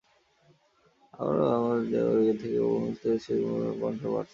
আবারও ম্যাচের দীর্ঘ সময় এগিয়ে থেকেও শেষ মুহূর্তের গোলে পয়েন্ট হারাল বার্সা।